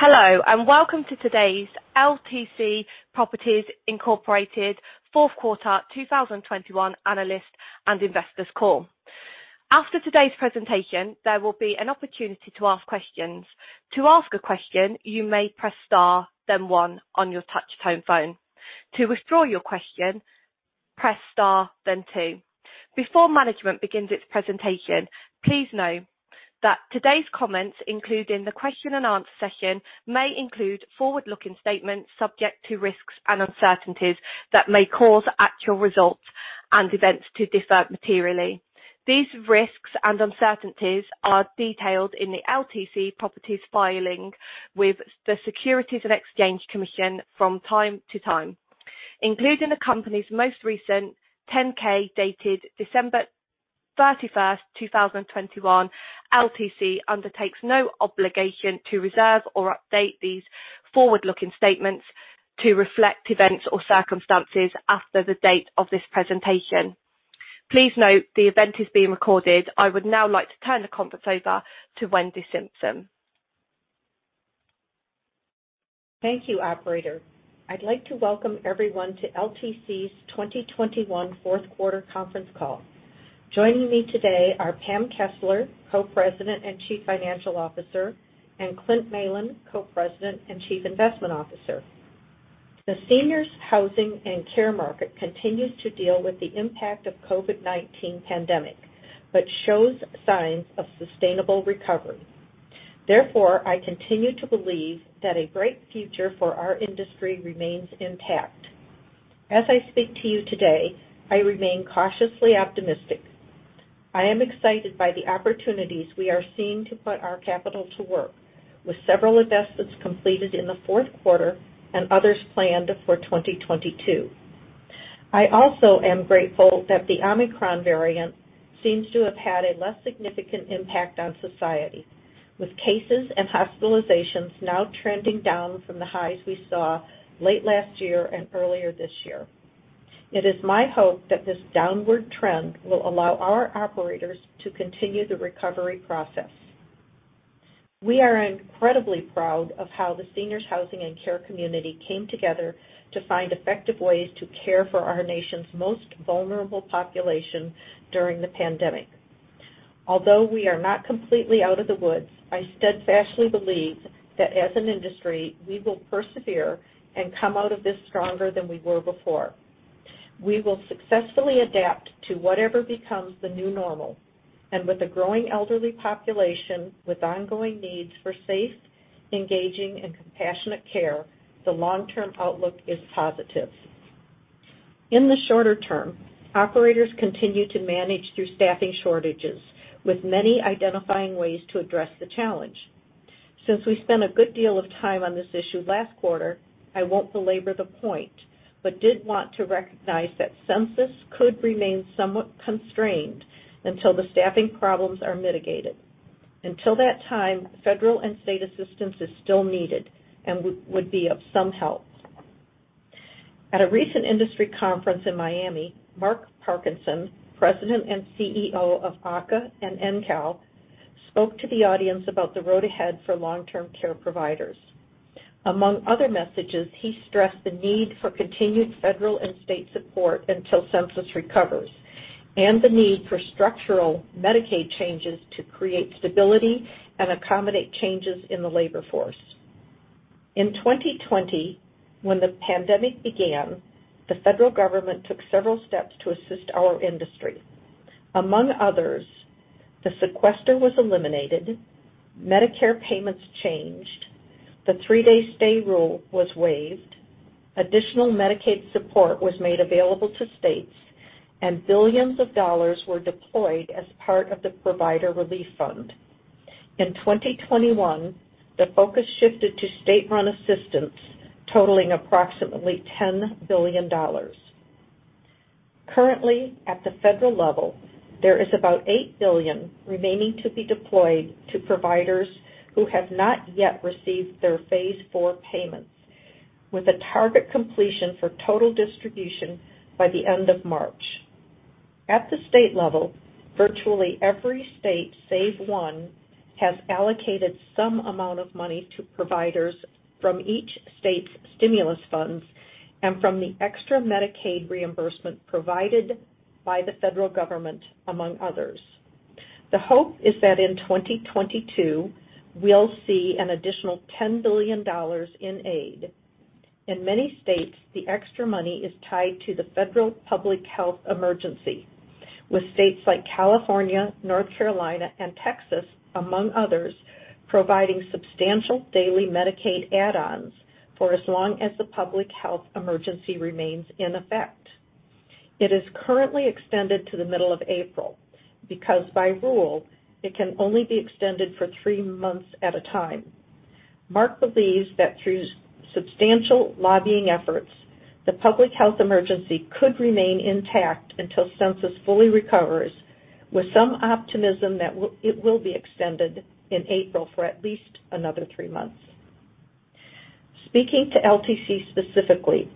Hello, and welcome to today's LTC Properties, Inc. fourth quarter 2021 analysts and investors call. After today's presentation, there will be an opportunity to ask questions. To ask a question, you may press star, then one on your touch-tone phone. To withdraw your question, press star then two. Before management begins its presentation, please know that today's comments, including the question and answer session, may include forward-looking statements subject to risks and uncertainties that may cause actual results and events to differ materially. These risks and uncertainties are detailed in the LTC Properties filings with the Securities and Exchange Commission from time to time, including the company's most recent 10-K dated December 31st, 2021. LTC undertakes no obligation to revise or update these forward-looking statements to reflect events or circumstances after the date of this presentation. Please note the event is being recorded. I would now like to turn the conference over to Wendy Simpson. Thank you, operator. I'd like to welcome everyone to LTC's 2021 fourth quarter conference call. Joining me today are Pam Kessler, Co-President and Chief Financial Officer, and Clint Malin, Co-President and Chief Investment Officer. The seniors housing and care market continues to deal with the impact of COVID-19 pandemic, but shows signs of sustainable recovery. Therefore, I continue to believe that a great future for our industry remains intact. As I speak to you today, I remain cautiously optimistic. I am excited by the opportunities we are seeing to put our capital to work with several investments completed in the fourth quarter and others planned for 2022. I also am grateful that the Omicron variant seems to have had a less significant impact on society, with cases and hospitalizations now trending down from the highs we saw late last year and earlier this year. It is my hope that this downward trend will allow our operators to continue the recovery process. We are incredibly proud of how the seniors housing and care community came together to find effective ways to care for our nation's most vulnerable population during the pandemic. Although we are not completely out of the woods, I steadfastly believe that as an industry we will persevere and come out of this stronger than we were before. We will successfully adapt to whatever becomes the new normal. With a growing elderly population with ongoing needs for safe, engaging, and compassionate care, the long-term outlook is positive. In the shorter term, operators continue to manage through staffing shortages, with many identifying ways to address the challenge. Since we spent a good deal of time on this issue last quarter, I won't belabor the point, but did want to recognize that census could remain somewhat constrained until the staffing problems are mitigated. Until that time, federal and state assistance is still needed and would be of some help. At a recent industry conference in Miami, Mark Parkinson, President and CEO of AHCA and NCAL, spoke to the audience about the road ahead for long-term care providers. Among other messages, he stressed the need for continued federal and state support until census recovers, and the need for structural Medicaid changes to create stability and accommodate changes in the labor force. In 2020, when the pandemic began, the federal government took several steps to assist our industry. Among others, the sequester was eliminated, Medicare payments changed, the three-day stay rule was waived, additional Medicaid support was made available to states, and billions of dollars were deployed as part of the Provider Relief Fund. In 2021, the focus shifted to state-run assistance totaling approximately $10 billion. Currently, at the federal level, there is about $8 billion remaining to be deployed to providers who have not yet received their phase four payments, with a target completion for total distribution by the end of March. At the state level, virtually every state, save one, has allocated some amount of money to providers from each state's stimulus funds and from the extra Medicaid reimbursement provided by the federal government, among others. The hope is that in 2022 we'll see an additional $10 billion in aid. In many states, the extra money is tied to the federal public health emergency, with states like California, North Carolina, and Texas, among others, providing substantial daily Medicaid add-ons for as long as the public health emergency remains in effect. It is currently extended to the middle of April because by rule it can only be extended for three months at a time. Mark believes that through substantial lobbying efforts, the public health emergency could remain intact until census fully recovers, with some optimism that it will be extended in April for at least another three months. Speaking to LTC specifically,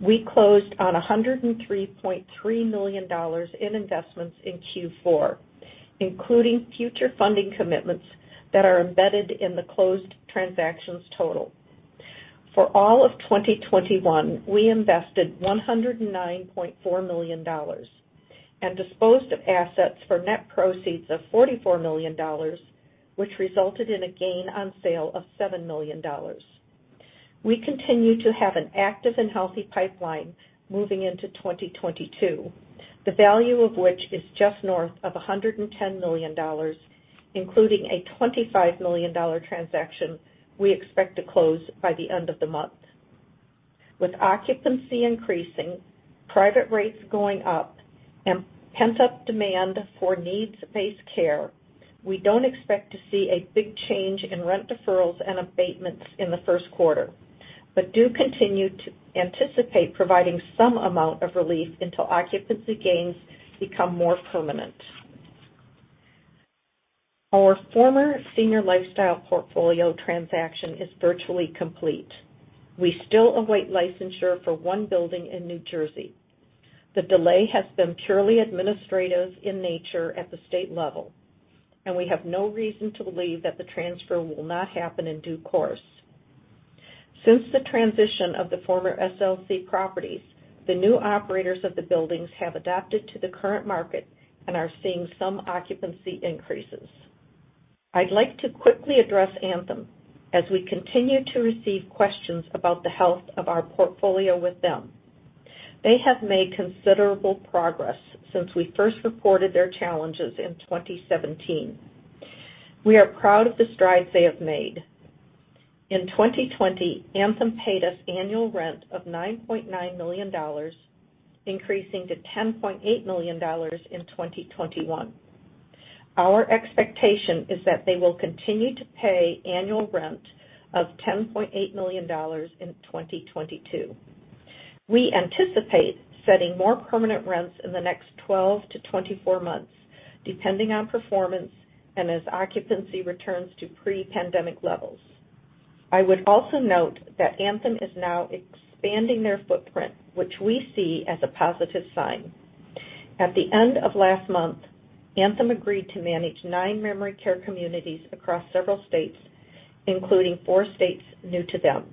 we closed on $103.3 million in investments in Q4, including future funding commitments that are embedded in the closed transactions total. For all of 2021, we invested $109.4 million and disposed of assets for net proceeds of $44 million, which resulted in a gain on sale of $7 million. We continue to have an active and healthy pipeline moving into 2022, the value of which is just north of $110 million, including a $25 million transaction we expect to close by the end of the month. With occupancy increasing, private rates going up, and pent-up demand for needs-based care, we don't expect to see a big change in rent deferrals and abatements in the first quarter, but do continue to anticipate providing some amount of relief until occupancy gains become more permanent. Our former Senior Lifestyle portfolio transaction is virtually complete. We still await licensure for one building in New Jersey. The delay has been purely administrative in nature at the state level, and we have no reason to believe that the transfer will not happen in due course. Since the transition of the former SLC properties, the new operators of the buildings have adapted to the current market and are seeing some occupancy increases. I'd like to quickly address Anthem as we continue to receive questions about the health of our portfolio with them. They have made considerable progress since we first reported their challenges in 2017. We are proud of the strides they have made. In 2020, Anthem paid us annual rent of $9.9 million, increasing to $10.8 million in 2021. Our expectation is that they will continue to pay annual rent of $10.8 million in 2022. We anticipate setting more permanent rents in the next 12-24 months, depending on performance and as occupancy returns to pre-pandemic levels. I would also note that Anthem is now expanding their footprint, which we see as a positive sign. At the end of last month, Anthem agreed to manage nine memory care communities across several states, including four states new to them.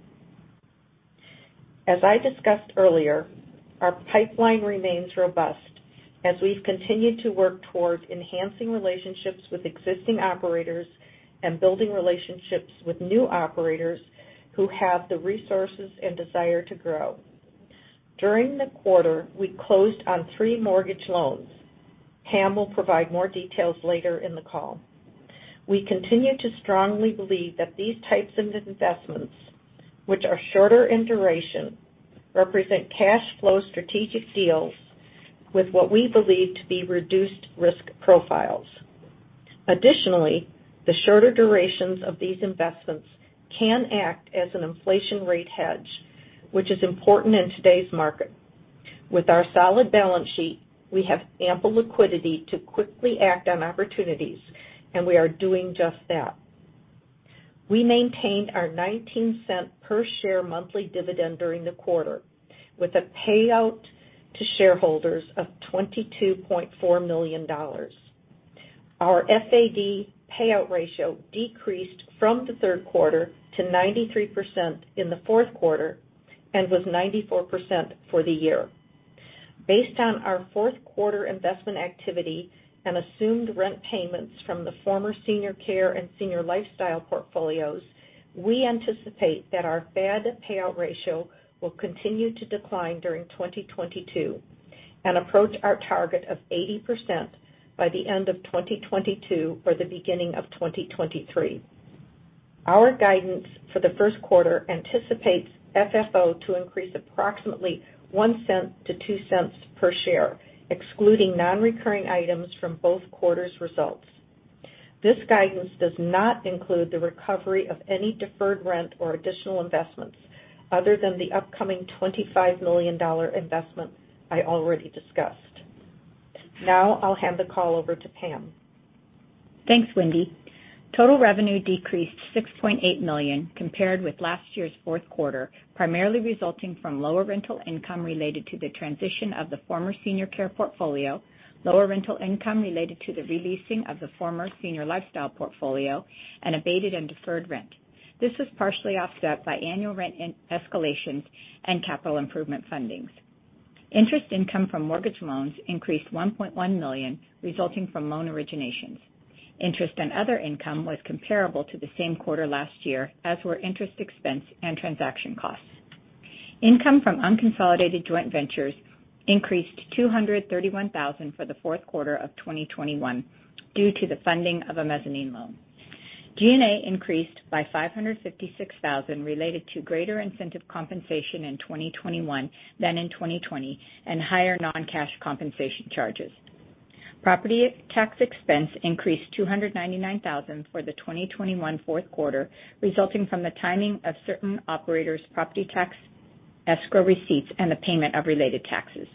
As I discussed earlier, our pipeline remains robust as we've continued to work towards enhancing relationships with existing operators and building relationships with new operators who have the resources and desire to grow. During the quarter, we closed on three mortgage loans. Pam will provide more details later in the call. We continue to strongly believe that these types of investments, which are shorter in duration, represent cash flow strategic deals with what we believe to be reduced risk profiles. Additionally, the shorter durations of these investments can act as an inflation rate hedge, which is important in today's market. With our solid balance sheet, we have ample liquidity to quickly act on opportunities, and we are doing just that. We maintained our $0.19 per share monthly dividend during the quarter with a payout to shareholders of $22.4 million. Our FAD payout ratio decreased from the third quarter to 93% in the fourth quarter and was 94% for the year. Based on our fourth quarter investment activity and assumed rent payments from the former Senior Care and Senior Lifestyle portfolios, we anticipate that our FAD payout ratio will continue to decline during 2022 and approach our target of 80% by the end of 2022 or the beginning of 2023. Our guidance for the first quarter anticipates FFO to increase approximately $0.01-$0.02 per share, excluding non-recurring items from both quarters' results. This guidance does not include the recovery of any deferred rent or additional investments other than the upcoming $25 million investment I already discussed. Now I'll hand the call over to Pam. Thanks, Wendy. Total revenue decreased $6.8 million compared with last year's fourth quarter, primarily resulting from lower rental income related to the transition of the former Senior Care portfolio, lower rental income related to the re-leasing of the former Senior Lifestyle portfolio, and abated and deferred rent. This was partially offset by annual rent escalations and capital improvement fundings. Interest income from mortgage loans increased $1.1 million, resulting from loan originations. Interest and other income was comparable to the same quarter last year, as were interest expense and transaction costs. Income from unconsolidated joint ventures increased $231,000 for the fourth quarter of 2021 due to the funding of a mezzanine loan. G&A increased by $556,000 related to greater incentive compensation in 2021 than in 2020 and higher non-cash compensation charges. Property tax expense increased $299,000 for the 2021 fourth quarter, resulting from the timing of certain operators' property tax escrow receipts and the payment of related taxes.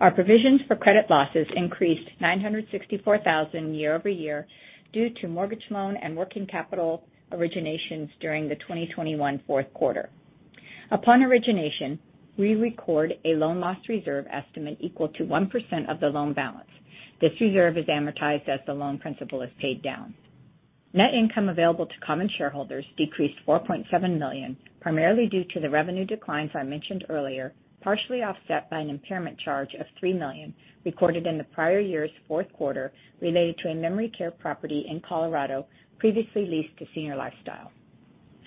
Our provisions for credit losses increased $964,000 year-over-year due to mortgage loan and working capital originations during the 2021 fourth quarter. Upon origination, we record a loan loss reserve estimate equal to 1% of the loan balance. This reserve is amortized as the loan principal is paid down. Net income available to common shareholders decreased $4.7 million, primarily due to the revenue declines I mentioned earlier, partially offset by an impairment charge of $3 million recorded in the prior year's fourth quarter related to a memory care property in Colorado previously leased to Senior Lifestyle.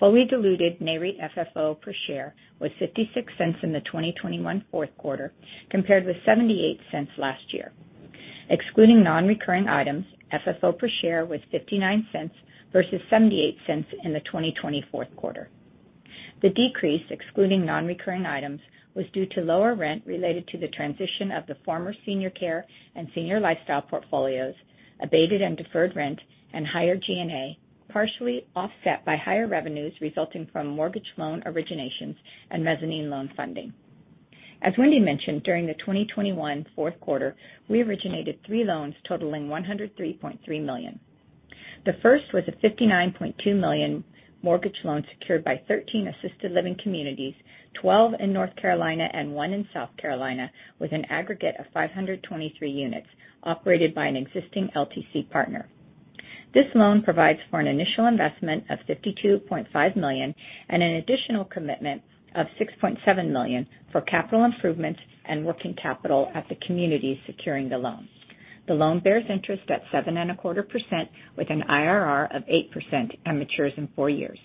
Fully diluted NAREIT FFO per share was $0.56 in the 2021 fourth quarter, compared with $0.78 last year. Excluding non-recurring items, FFO per share was $0.59 versus $0.78 in the 2020 fourth quarter. The decrease, excluding non-recurring items, was due to lower rent related to the transition of the former Senior Care and Senior Lifestyle portfolios, abated and deferred rent, and higher G&A, partially offset by higher revenues resulting from mortgage loan originations and mezzanine loan funding. As Wendy mentioned, during the 2021 fourth quarter, we originated three loans totaling $103.3 million. The first was a $59.2 million mortgage loan secured by 13 assisted living communities, 12 in North Carolina and one in South Carolina, with an aggregate of 523 units operated by an existing LTC partner. This loan provides for an initial investment of $52.5 million and an additional commitment of $6.7 million for capital improvements and working capital at the communities securing the loan. The loan bears interest at 7.25% with an IRR of 8% and matures in four years.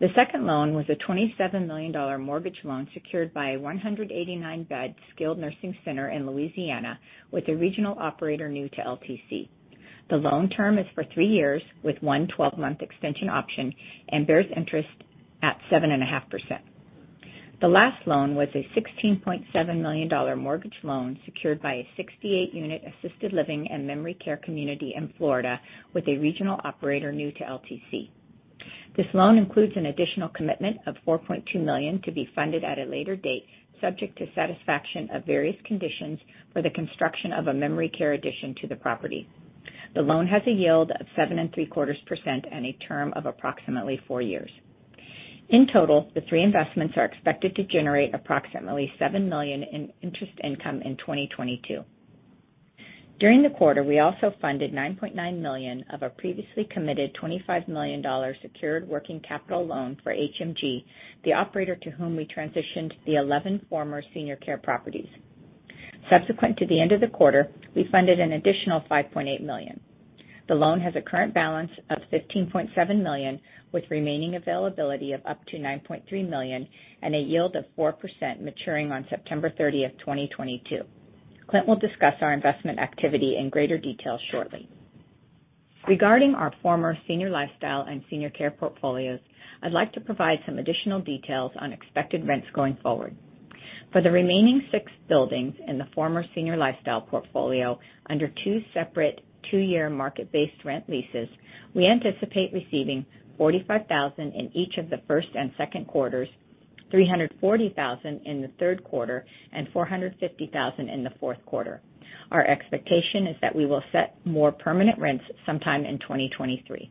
The second loan was a $27 million mortgage loan secured by a 189-bed skilled nursing center in Louisiana with a regional operator new to LTC. The loan term is for three years with one 12-month extension option and bears interest at 7.5%. The last loan was a $16.7 million mortgage loan secured by a 68-unit assisted living and memory care community in Florida with a regional operator new to LTC. This loan includes an additional commitment of $4.2 million to be funded at a later date, subject to satisfaction of various conditions for the construction of a memory care addition to the property. The loan has a yield of 7.75% and a term of approximately four years. In total, the three investments are expected to generate approximately $7 million in interest income in 2022. During the quarter, we also funded $9.9 million of our previously committed $25 million secured working capital loan for HMG, the operator to whom we transitioned the 11 former Senior Care properties. Subsequent to the end of the quarter, we funded an additional $5.8 million. The loan has a current balance of $15.7 million, with remaining availability of up to $9.3 million and a yield of 4% maturing on September 30th, 2022. Clint will discuss our investment activity in greater detail shortly. Regarding our former Senior Lifestyle and Senior Care portfolios, I'd like to provide some additional details on expected rents going forward. For the remaining six buildings in the former Senior Lifestyle portfolio under two separate two-year market-based rent leases, we anticipate receiving $45,000 in each of the first and second quarters, $340,000 in the third quarter, and $450,000 in the fourth quarter. Our expectation is that we will set more permanent rents sometime in 2023.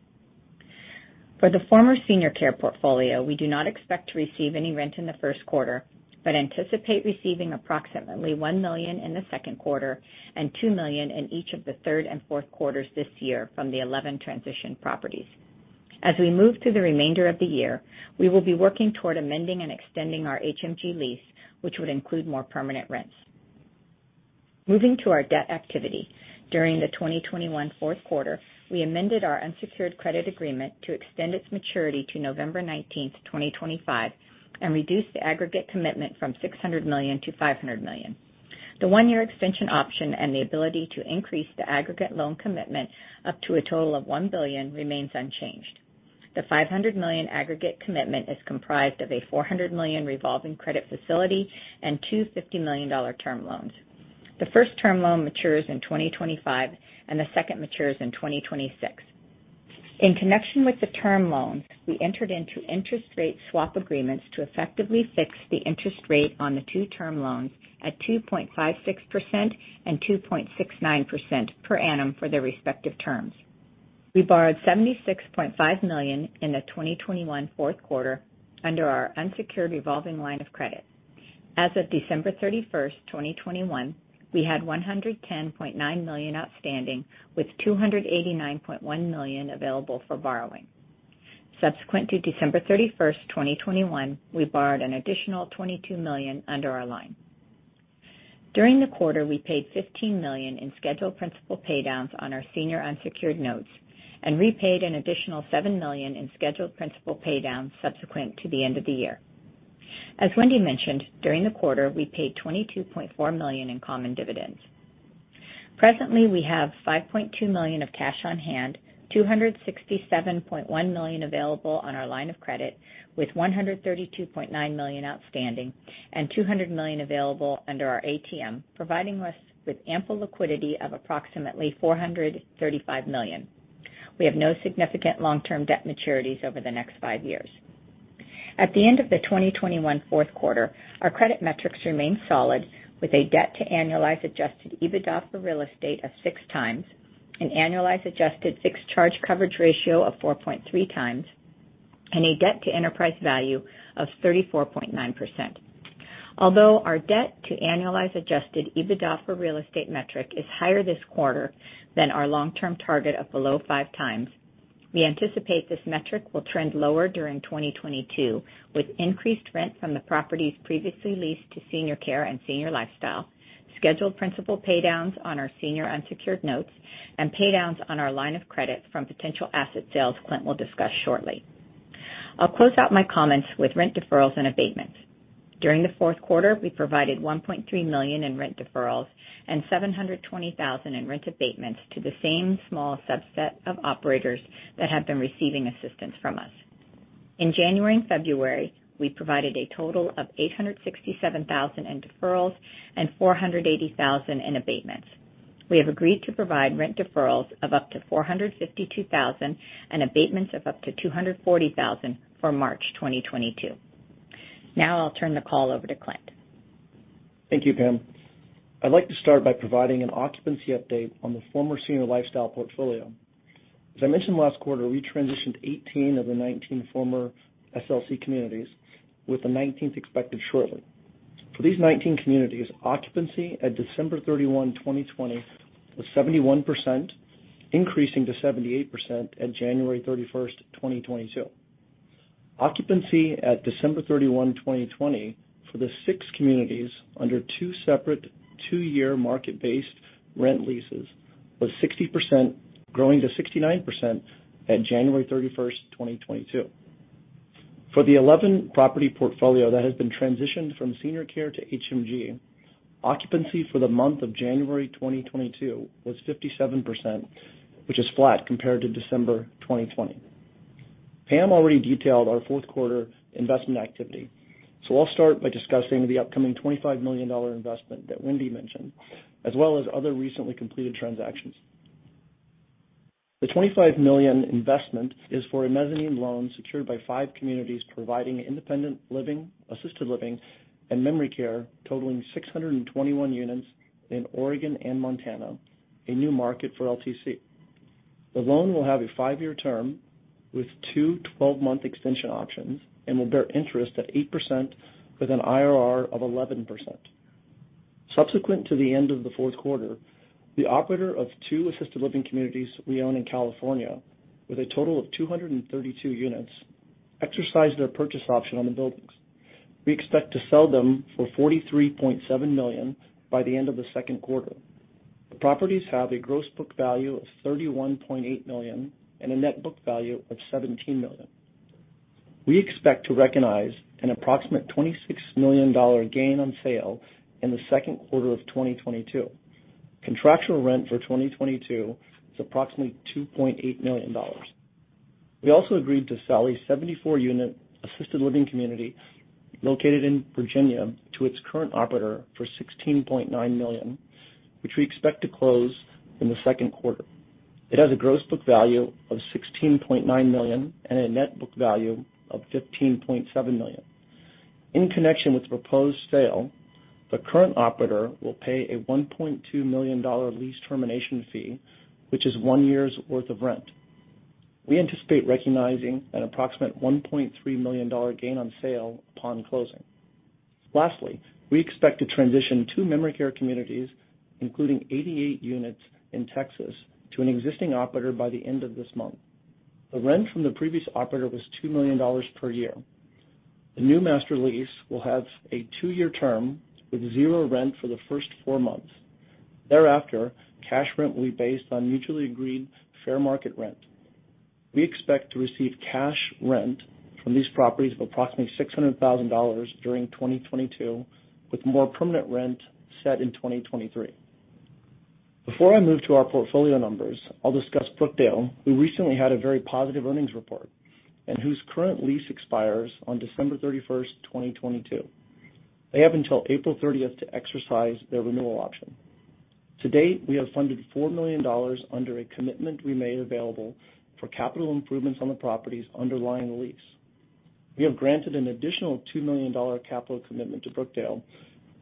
For the former Senior Care portfolio, we do not expect to receive any rent in the first quarter, but anticipate receiving approximately $1 million in the second quarter and $2 million in each of the third and fourth quarters this year from the 11 transition properties. As we move through the remainder of the year, we will be working toward amending and extending our HMG lease, which would include more permanent rents. Moving to our debt activity. During the 2021 fourth quarter, we amended our unsecured credit agreement to extend its maturity to November 19th, 2025, and reduced the aggregate commitment from $600 million-$500 million. The one-year extension option and the ability to increase the aggregate loan commitment up to a total of $1 billion remains unchanged. The $500 million aggregate commitment is comprised of a $400 million revolving credit facility and $250 million term loans. The first term loan matures in 2025, and the second matures in 2026. In connection with the term loans, we entered into interest rate swap agreements to effectively fix the interest rate on the two term loans at 2.56% and 2.69% per annum for their respective terms. We borrowed $76.5 million in the 2021 fourth quarter under our unsecured revolving line of credit. As of December 31st, 2021, we had $110.9 million outstanding, with $289.1 million available for borrowing. Subsequent to December 31st, 2021, we borrowed an additional $22 million under our line. During the quarter, we paid $15 million in scheduled principal paydowns on our senior unsecured notes and repaid an additional $7 million in scheduled principal paydown subsequent to the end of the year. As Wendy mentioned, during the quarter, we paid $22.4 million in common dividends. Presently, we have $5.2 million of cash on hand, $267.1 million available on our line of credit, with $132.9 million outstanding and $200 million available under our ATM, providing us with ample liquidity of approximately $435 million. We have no significant long-term debt maturities over the next five years. At the end of the 2021 fourth quarter, our credit metrics remained solid, with a debt to annualized adjusted EBITDA for real estate of 6x, an annualized adjusted fixed charge coverage ratio of 4.3x, and a debt to enterprise value of 34.9%. Although our debt to annualized adjusted EBITDA for real estate metric is higher this quarter than our long-term target of below 5x, we anticipate this metric will trend lower during 2022, with increased rent from the properties previously leased to Senior Care and Senior Lifestyle, scheduled principal paydowns on our senior unsecured notes, and paydowns on our line of credit from potential asset sales Clint will discuss shortly. I'll close out my comments with rent deferrals and abatements. During the fourth quarter, we provided $1.3 million in rent deferrals and $720,000 in rent abatements to the same small subset of operators that have been receiving assistance from us. In January and February, we provided a total of $867,000 in deferrals and $480,000 in abatements. We have agreed to provide rent deferrals of up to $452,000 and abatements of up to $240,000 for March 2022. Now I'll turn the call over to Clint. Thank you, Pam. I'd like to start by providing an occupancy update on the former Senior Lifestyle portfolio. As I mentioned last quarter, we transitioned 18 of the 19 former SLC communities, with the 19th expected shortly. For these 19 communities, occupancy at December 31, 2020 was 71%, increasing to 78% at January 31st, 2022. Occupancy at December 31, 2020 for the six communities under two separate two-year market-based rent leases was 60%, growing to 69% at January 31st, 2022. For the 11 property portfolio that has been transitioned from Senior Care to HMG, occupancy for the month of January 2022 was 57%, which is flat compared to December 2020. Pam already detailed our fourth quarter investment activity, so I'll start by discussing the upcoming $25 million investment that Wendy mentioned, as well as other recently completed transactions. The $25 million investment is for a mezzanine loan secured by five communities providing independent living, assisted living, and memory care, totaling 621 units in Oregon and Montana, a new market for LTC. The loan will have a five-year term with two 12-month extension options and will bear interest at 8% with an IRR of 11%. Subsequent to the end of the fourth quarter, the operator of two assisted living communities we own in California with a total of 232 units exercised their purchase option on the buildings. We expect to sell them for $43.7 million by the end of the second quarter. The properties have a gross book value of $31.8 million and a net book value of $17 million. We expect to recognize an approximate $26 million gain on sale in the second quarter of 2022. Contractual rent for 2022 is approximately $2.8 million. We also agreed to sell a 74-unit assisted living community located in Virginia to its current operator for $16.9 million, which we expect to close in the second quarter. It has a gross book value of $16.9 million and a net book value of $15.7 million. In connection with the proposed sale, the current operator will pay a $1.2 million lease termination fee, which is one year's worth of rent. We anticipate recognizing an approximate $1.3 million gain on sale upon closing. Lastly, we expect to transition two memory care communities, including 88 units in Texas, to an existing operator by the end of this month. The rent from the previous operator was $2 million per year. The new master lease will have a two-year term with zero rent for the first four months. Thereafter, cash rent will be based on mutually agreed fair market rent. We expect to receive cash rent from these properties of approximately $600,000 during 2022, with more permanent rent set in 2023. Before I move to our portfolio numbers, I'll discuss Brookdale, who recently had a very positive earnings report and whose current lease expires on December 31st, 2022. They have until April 30th to exercise their renewal option. To date, we have funded $4 million under a commitment we made available for capital improvements on the property's underlying lease. We have granted an additional $2 million capital commitment to Brookdale,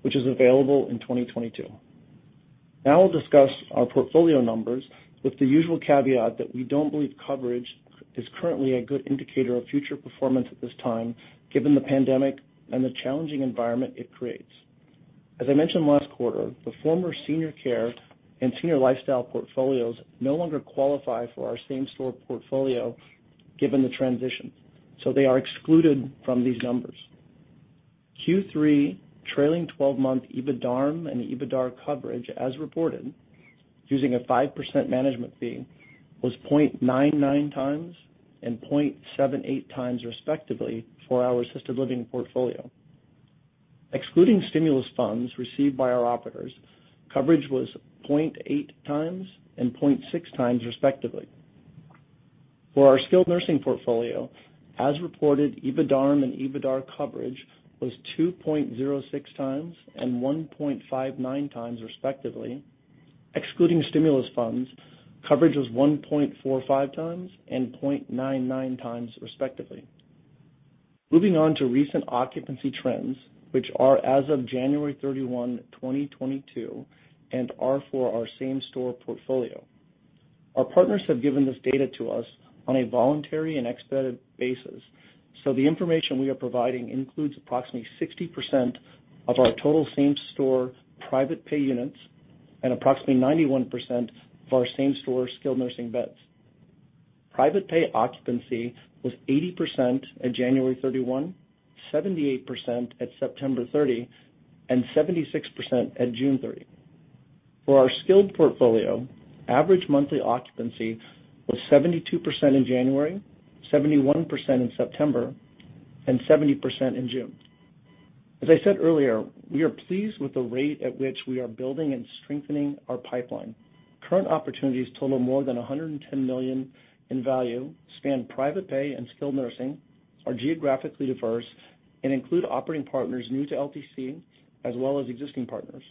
which is available in 2022. Now I'll discuss our portfolio numbers with the usual caveat that we don't believe coverage is currently a good indicator of future performance at this time, given the pandemic and the challenging environment it creates. As I mentioned last quarter, the former Senior Care and Senior Lifestyle portfolios no longer qualify for our same store portfolio given the transition, so they are excluded from these numbers. Q3 trailing 12-month EBITDARM and EBITDAR coverage as reported, using a 5% management fee, was 0.99x and 0.78x respectively for our assisted living portfolio. Excluding stimulus funds received by our operators, coverage was 0.8x and 0.6x respectively. For our skilled nursing portfolio, as reported, EBITDARM and EBIDAR coverage was 2.06x and 1.59x respectively. Excluding stimulus funds, coverage was 1.45x and 0.99x respectively. Moving on to recent occupancy trends, which are as of January 31, 2022, and are for our same store portfolio. Our partners have given this data to us on a voluntary and expedited basis, so the information we are providing includes approximately 60% of our total same store private pay units and approximately 91% of our same store skilled nursing beds. Private pay occupancy was 80% at January 31, 78% at September 30, and 76% at June 30. For our skilled portfolio, average monthly occupancy was 72% in January, 71% in September, and 70% in June. As I said earlier, we are pleased with the rate at which we are building and strengthening our pipeline. Current opportunities total more than $110 million in value, span private pay and skilled nursing, are geographically diverse, and include operating partners new to LTC as well as existing partners.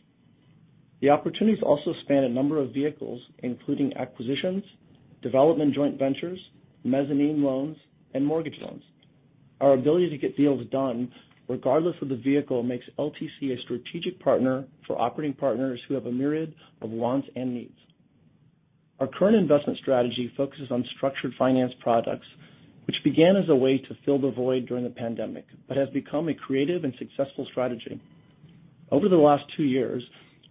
The opportunities also span a number of vehicles, including acquisitions, development joint ventures, mezzanine loans, and mortgage loans. Our ability to get deals done regardless of the vehicle makes LTC a strategic partner for operating partners who have a myriad of wants and needs. Our current investment strategy focuses on structured finance products, which began as a way to fill the void during the pandemic, but has become a creative and successful strategy. Over the last two years,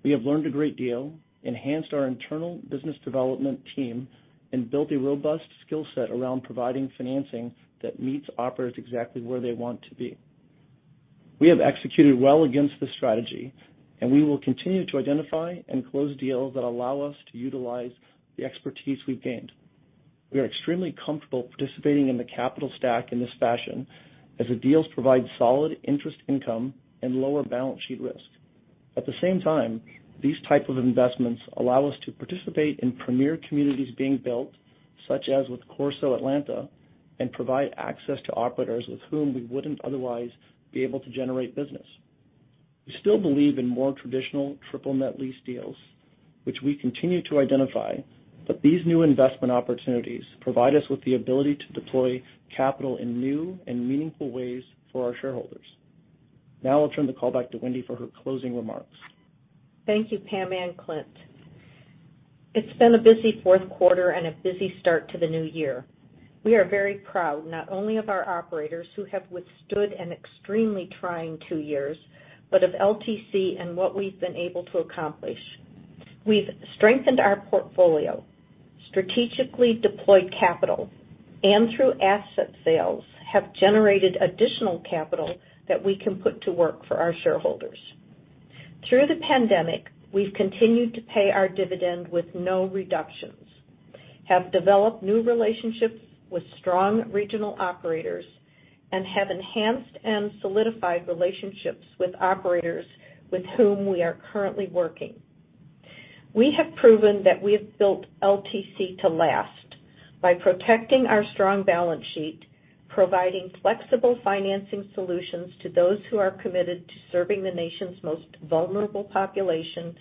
we have learned a great deal, enhanced our internal business development team, and built a robust skill set around providing financing that meets operators exactly where they want to be. We have executed well against this strategy, and we will continue to identify and close deals that allow us to utilize the expertise we've gained. We are extremely comfortable participating in the capital stack in this fashion as the deals provide solid interest income and lower balance sheet risk. At the same time, these type of investments allow us to participate in premier communities being built, such as with Corso Atlanta, and provide access to operators with whom we wouldn't otherwise be able to generate business. We still believe in more traditional triple net lease deals, which we continue to identify, but these new investment opportunities provide us with the ability to deploy capital in new and meaningful ways for our shareholders. Now I'll turn the call back to Wendy for her closing remarks. Thank you, Pam and Clint. It's been a busy fourth quarter and a busy start to the new year. We are very proud, not only of our operators who have withstood an extremely trying two years, but of LTC and what we've been able to accomplish. We've strengthened our portfolio, strategically deployed capital, and through asset sales, have generated additional capital that we can put to work for our shareholders. Through the pandemic, we've continued to pay our dividend with no reductions, have developed new relationships with strong regional operators, and have enhanced and solidified relationships with operators with whom we are currently working. We have proven that we have built LTC to last by protecting our strong balance sheet, providing flexible financing solutions to those who are committed to serving the nation's most vulnerable population,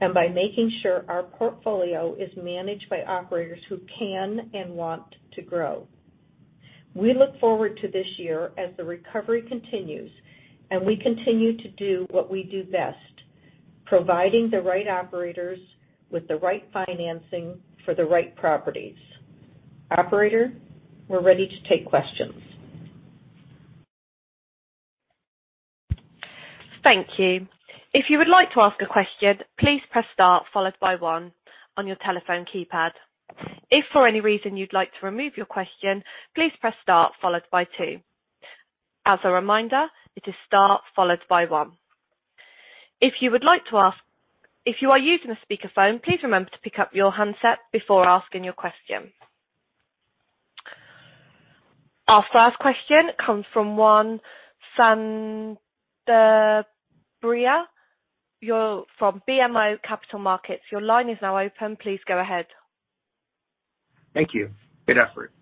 and by making sure our portfolio is managed by operators who can and want to grow. We look forward to this year as the recovery continues, and we continue to do what we do best, providing the right operators with the right financing for the right properties. Operator, we're ready to take questions. Our first question comes from Juan Sanabria. You're from BMO Capital Markets. Your line is now open. Please go ahead. Thank you. Good effort.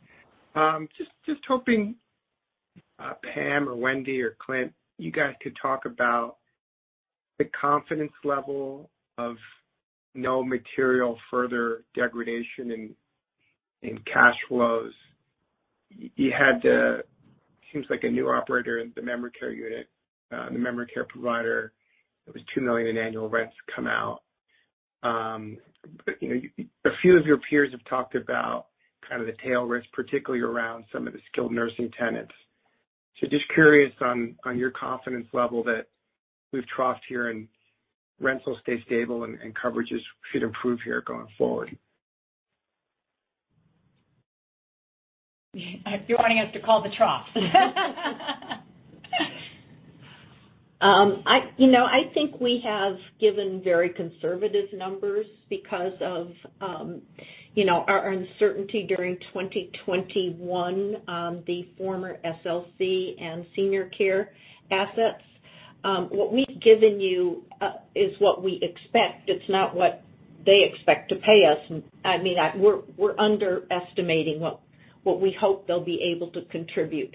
Just hoping Pam or Wendy or Clint, you guys could talk about the confidence level of no material further degradation in cash flows. You had a new operator in the memory care unit, the memory care provider. It was $2 million in annual rents come out. But, you know, a few of your peers have talked about kind of the tail risk, particularly around some of the skilled nursing tenants. Just curious on your confidence level that we've troughed here and rentals stay stable and coverages should improve here going forward. You're wanting us to call the trough. You know, I think we have given very conservative numbers because of you know, our uncertainty during 2021, the former SLC and Senior Care assets. What we've given you is what we expect. It's not what they expect to pay us. I mean, we're underestimating what we hope they'll be able to contribute.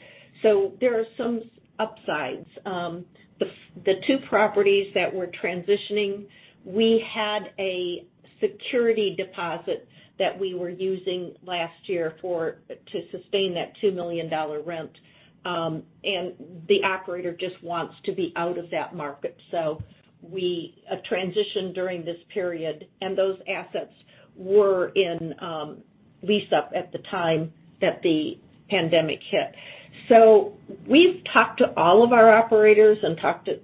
There are some upsides. The two properties that we're transitioning, we had a security deposit that we were using last year to sustain that $2 million rent, and the operator just wants to be out of that market. We're transitioning during this period, and those assets were in lease-up at the time that the pandemic hit. We've talked to all of our operators and talked to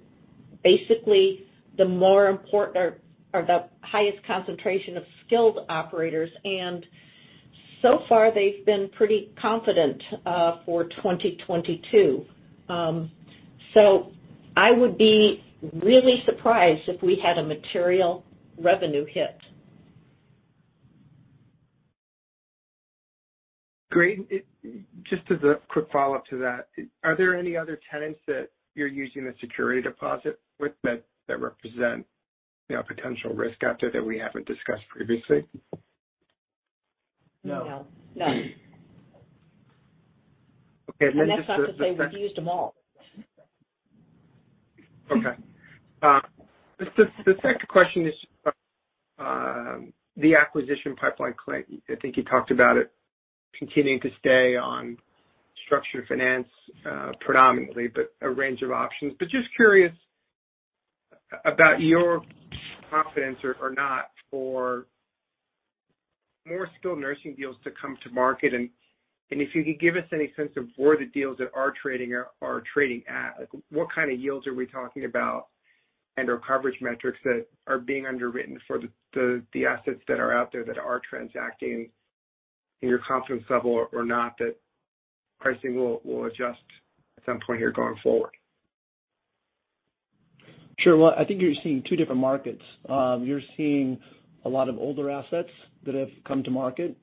basically the more important or the highest concentration of skilled operators, and so far they've been pretty confident for 2022. I would be really surprised if we had a material revenue hit. Great. Just as a quick follow-up to that, are there any other tenants that you're using the security deposit with that represent, you know, potential risk out there that we haven't discussed previously? No. No. Okay. Just the second- That's not to say we've used them all. Okay. The second question is the acquisition pipeline, Clay. I think you talked about it continuing to stay on structured finance predominantly, but a range of options. Just curious about your confidence or not for more skilled nursing deals to come to market. If you could give us any sense of where the deals that are trading are trading at, like what kind of yields are we talking about and/or coverage metrics that are being underwritten for the assets that are out there that are transacting and your confidence level or not that pricing will adjust at some point here going forward. Sure. Well, I think you're seeing two different markets. You're seeing a lot of older assets that have come to market,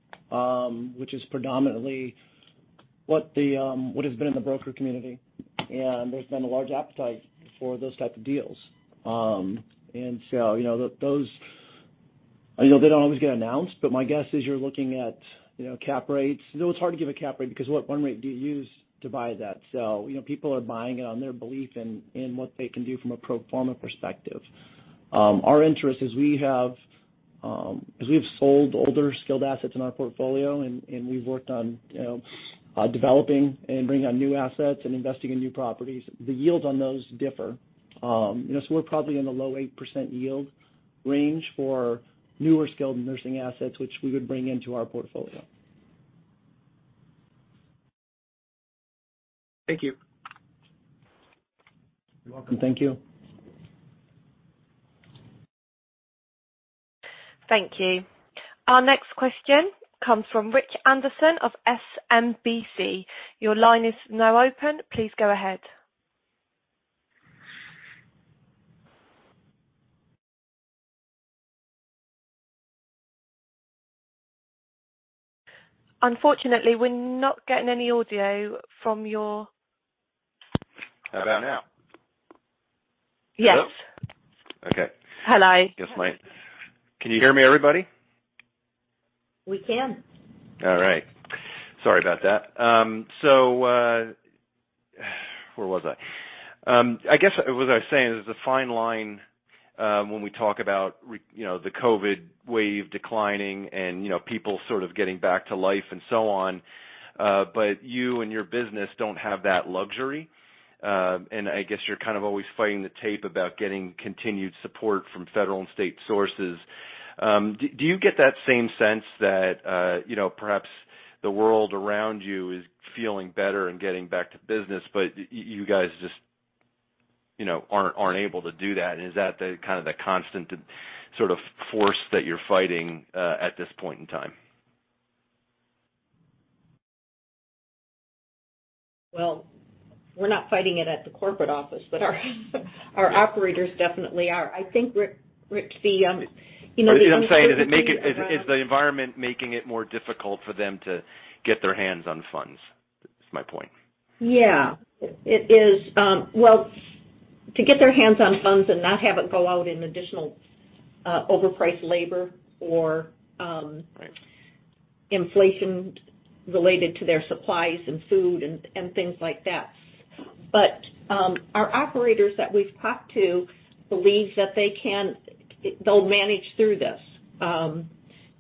which is predominantly what has been in the broker community, and there's been a large appetite for those type of deals. You know, those, you know, they don't always get announced, but my guess is you're looking at, you know, cap rates. You know, it's hard to give a cap rate because what rate do you use to buy that? You know, people are buying it on their belief in what they can do from a pro forma perspective. Our interest is we have, as we've sold older skilled assets in our portfolio and we've worked on, you know, developing and bringing on new assets and investing in new properties, the yields on those differ. You know, we're probably in the low 8% yield range for newer skilled nursing assets, which we would bring into our portfolio. Thank you. You're welcome. Thank you. Thank you. Our next question comes from Rich Anderson of SMBC. Your line is now open. Please go ahead. Unfortunately, we're not getting any audio from your. How about now? Yes. Hello? Okay. Hello. Can you hear me, everybody? We can. All right. Sorry about that. Where was I? I guess as I was saying, there's a fine line when we talk about you know, the COVID wave declining and, you know, people sort of getting back to life and so on. You and your business don't have that luxury. I guess you're kind of always fighting the tape about getting continued support from federal and state sources. Do you get that same sense that you know, perhaps the world around you is feeling better and getting back to business, but you guys just, you know, aren't able to do that? Is that the kind of the constant sort of force that you're fighting at this point in time? Well, we're not fighting it at the corporate office, but our operators definitely are. I think, Rich, you know, the uncertainty around- What I'm saying is the environment making it more difficult for them to get their hands on funds? That's my point. Yeah. It is. Well, to get their hands on funds and not have it go out in additional overpriced labor or inflation related to their supplies and food and things like that. Our operators that we've talked to believe that they'll manage through this.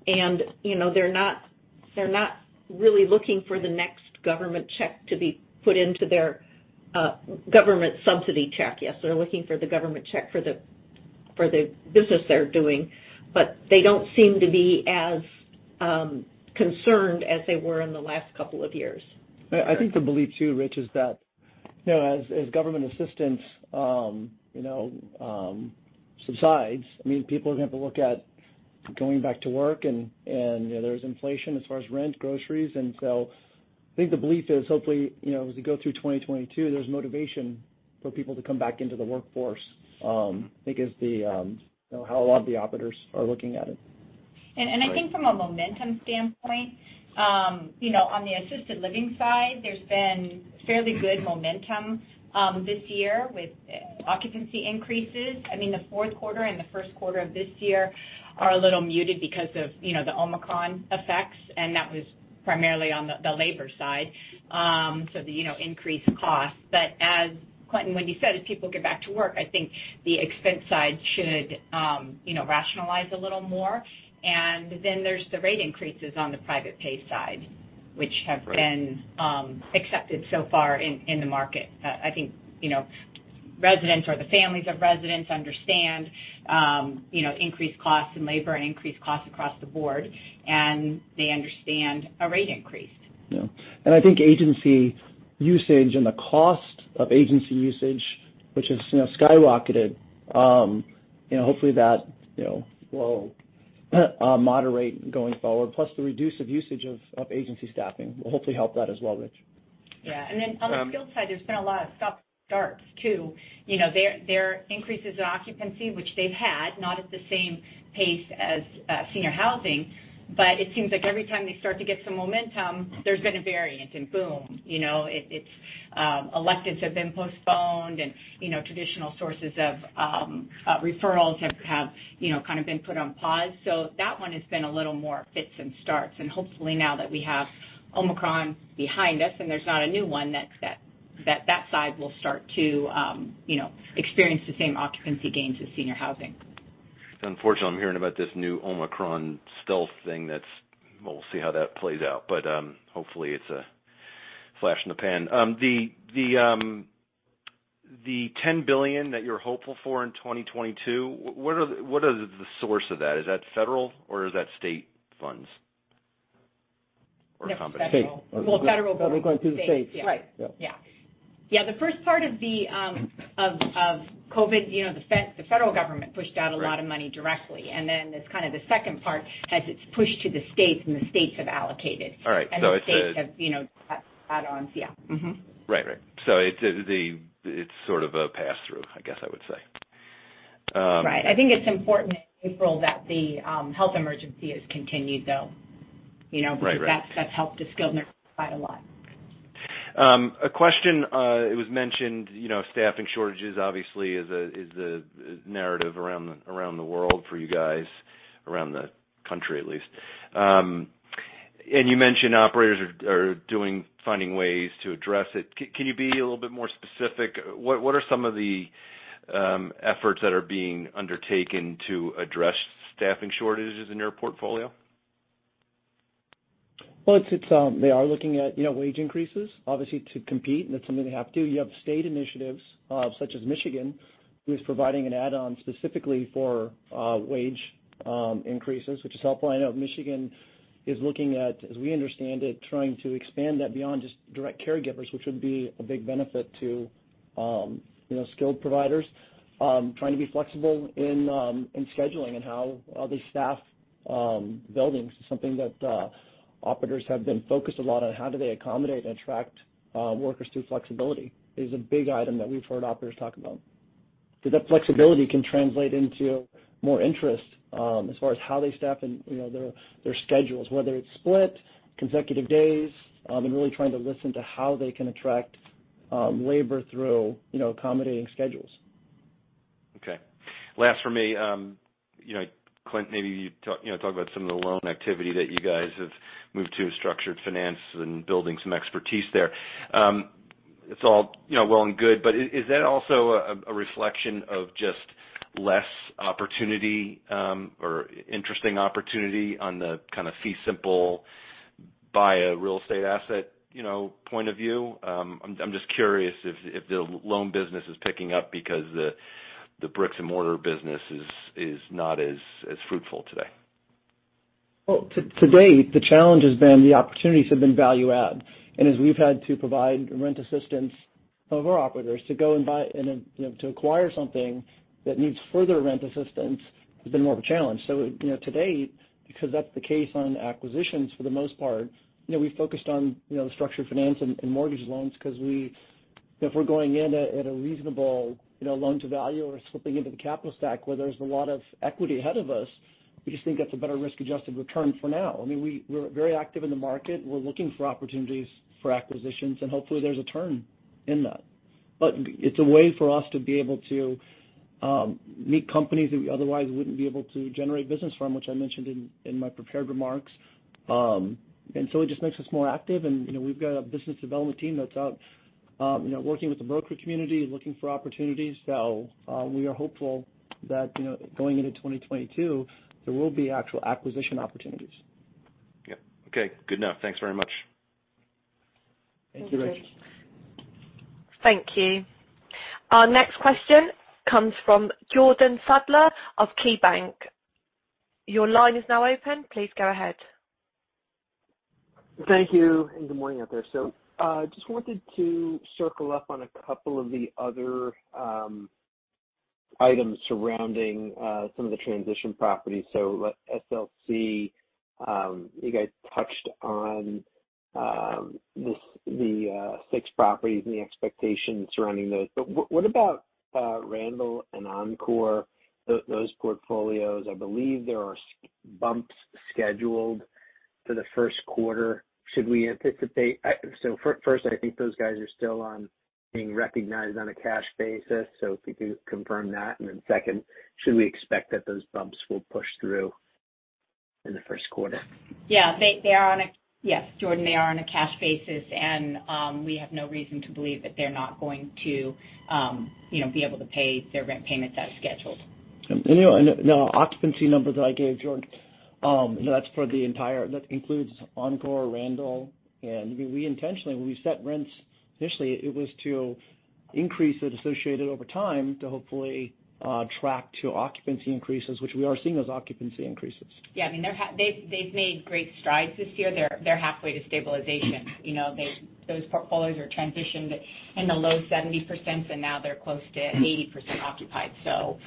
You know, they're not really looking for the next government check to be put into their government subsidy check. Yes, they're looking for the government check for the business they're doing, but they don't seem to be as concerned as they were in the last couple of years. I think the belief too, Rich, is that, you know, as government assistance subsides, I mean, people are gonna have to look at going back to work and you know, there's inflation as far as rent, groceries. I think the belief is hopefully, you know, as we go through 2022, there's motivation for people to come back into the workforce, I think is the you know, how a lot of the operators are looking at it. I think from a momentum standpoint, you know, on the assisted living side, there's been fairly good momentum this year with occupancy increases. I mean, the fourth quarter and the first quarter of this year are a little muted because of you know, the Omicron effects, and that was primarily on the labor side. Increased costs. As Clint and Wendy said, as people get back to work, I think the expense side should you know, rationalize a little more. Then there's the rate increases on the private pay side, which have been- Right Accepted so far in the market. I think you know residents or the families of residents understand you know increased costs in labor and increased costs across the board, and they understand a rate increase. Yeah. I think agency usage and the cost of agency usage, which has, you know, skyrocketed, hopefully that will moderate going forward, plus the reduced usage of agency staffing will hopefully help that as well, Rich. Yeah. On the skilled side, there's been a lot of stop starts too. You know, their increases in occupancy, which they've had, not at the same pace as senior housing, but it seems like every time they start to get some momentum, there's been a variant, and boom, you know? It's electives have been postponed and, you know, traditional sources of referrals have, you know, kind of been put on pause. That one has been a little more fits and starts. Hopefully now that we have Omicron behind us and there's not a new one, that side will start to, you know, experience the same occupancy gains as senior housing. It's unfortunate I'm hearing about this new Omicron stealth thing that's. We'll see how that plays out. Hopefully it's a flash in the pan. The $10 billion that you're hopeful for in 2022, what are the source of that? Is that federal or is that state funds or a combination? That's federal. State. Well, federal going to the states. Probably going to the states. Right. Yeah. Yeah. Yeah, the first part of COVID, you know, the federal government pushed out a lot of money directly. Then it's kind of the second part as it's pushed to the states and the states have allocated. All right. The states have, you know, add-ons. Yeah. Right. It's sort of a pass-through, I guess I would say. Right. I think it's important in April that the health emergency is continued though, you know? Right. Right. That's helped the skilled nursing quite a lot. A question, it was mentioned, you know, staffing shortages obviously is the narrative around the world for you guys, around the country at least. You mentioned operators are finding ways to address it. Can you be a little bit more specific? What are some of the efforts that are being undertaken to address staffing shortages in your portfolio? Well, they are looking at, you know, wage increases, obviously, to compete, and that's something they have to. You have state initiatives, such as Michigan, who is providing an add-on specifically for wage increases, which is helpful. I know Michigan is looking at, as we understand it, trying to expand that beyond just direct caregivers, which would be a big benefit to, you know, skilled providers. Trying to be flexible in scheduling and how they staff buildings is something that operators have been focused a lot on. How do they accommodate and attract workers through flexibility is a big item that we've heard operators talk about. That flexibility can translate into more interest, as far as how they staff and, you know, their schedules, whether it's split consecutive days, and really trying to listen to how they can attract labor through, you know, accommodating schedules. Okay. Last for me. You know, Clint, maybe you talk about some of the loan activity that you guys have moved to in structured finance and building some expertise there. It's all, you know, well and good, but is that also a reflection of just less opportunity or interesting opportunity on the kind of fee simple buy a real estate asset, you know, point of view? I'm just curious if the loan business is picking up because the bricks and mortar business is not as fruitful today. Well, to date, the challenge has been the opportunities have been value add. As we've had to provide rent assistance to our operators to go and buy and then, you know, to acquire something that needs further rent assistance has been more of a challenge. You know, to date, because that's the case on acquisitions for the most part, you know, we focused on, you know, structured finance and mortgage loans because if we're going in at a reasonable, you know, loan to value or slipping into the capital stack where there's a lot of equity ahead of us, we just think that's a better risk-adjusted return for now. I mean, we're very active in the market. We're looking for opportunities for acquisitions, and hopefully there's a turn in that. It's a way for us to be able to meet companies that we otherwise wouldn't be able to generate business from, which I mentioned in my prepared remarks. It just makes us more active and, you know, we've got a business development team that's out, you know, working with the brokerage community, looking for opportunities. We are hopeful that, you know, going into 2022, there will be actual acquisition opportunities. Yeah. Okay. Good enough. Thanks very much. Thank you, Rich. Thank you. Thank you. Our next question comes from Jordan Sadler of KeyBanc. Your line is now open. Please go ahead. Thank you, and good morning, out there. Just wanted to circle up on a couple of the other items surrounding some of the transition properties. SLC, you guys touched on this, the six properties and the expectations surrounding those. What about Randall and Encore, those portfolios? I believe there are rent bumps scheduled for the first quarter. Should we anticipate? First, I think those guys are still being recognized on a cash basis. If you could confirm that. Second, should we expect that those bumps will push through in the first quarter? Yes, Jordan, they are on a cash basis, and we have no reason to believe that they're not going to, you know, be able to pay their rent payments as scheduled. You know, the occupancy numbers that I gave, Jordan, that's for the entire, that includes Encore, Randall. We intentionally, when we set rents initially, it was to increase it associated over time to hopefully, track to occupancy increases, which we are seeing those occupancy increases. Yeah. I mean, they've made great strides this year. They're halfway to stabilization. You know, those portfolios are transitioned in the low 70%, and now they're close to 80% occupied. So,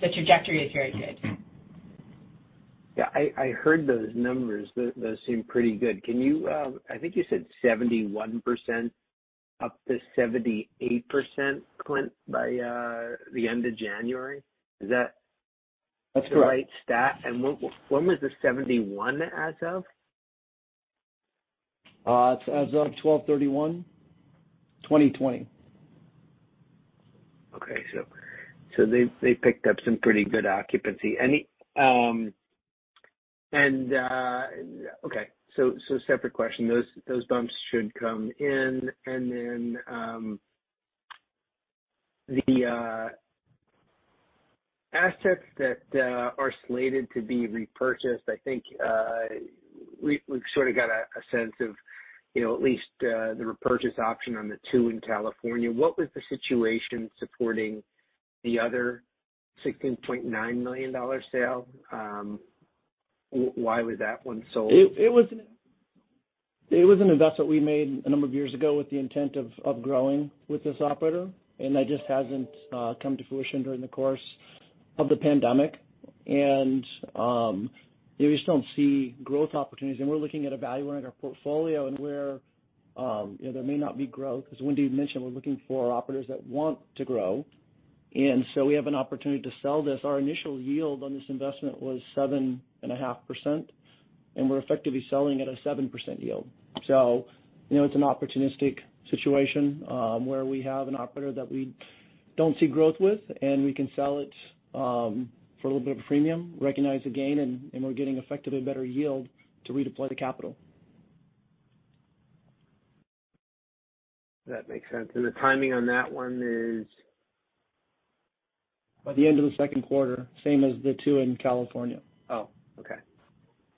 the trajectory is very good. Yeah. I heard those numbers. Those seem pretty good. Can you? I think you said 71%-78%, Clint, by the end of January. Is that? That's correct. the right stat? When was the 71% as of? It's as of 12/31/2020. They picked up some pretty good occupancy. Separate question. Those bumps should come in. Then the assets that are slated to be repurchased, I think, we've sort of got a sense of, you know, at least the repurchase option on the two in California. What was the situation supporting the other $16.9 million sale? Why was that one sold? It was an investment we made a number of years ago with the intent of growing with this operator, and that just hasn't come to fruition during the course of the pandemic. We just don't see growth opportunities. We're looking at evaluating our portfolio and where, you know, there may not be growth. As Wendy mentioned, we're looking for operators that want to grow. We have an opportunity to sell this. Our initial yield on this investment was 7.5%, and we're effectively selling at a 7% yield. You know, it's an opportunistic situation, where we have an operator that we don't see growth with, and we can sell it for a little bit of a premium, recognize the gain, and we're getting effectively better yield to redeploy the capital. That makes sense. The timing on that one is? By the end of the second quarter, same as the two in California. Oh, okay.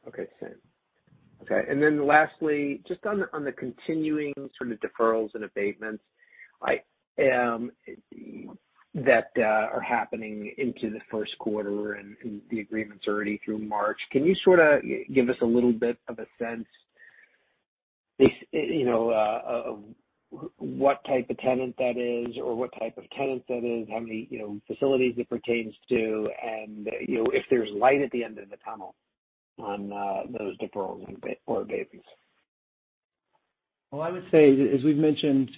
Okay, same. Okay. Lastly, just on the continuing sort of deferrals and abatements that are happening into the first quarter and the agreements already through March, can you sort of give us a little bit of a sense, you know, what type of tenant that is or what type of tenants that is, how many, you know, facilities it pertains to and, you know, if there's light at the end of the tunnel on those deferrals or abatements? Well, I would say, as we've mentioned,